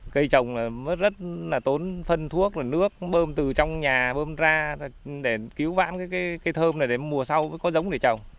cây trồng rất là tốn phân thuốc nước bơm từ trong nhà bơm ra để cứu vãn cái cây thơm này để mùa sau có giống để trồng